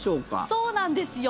そうなんですよ。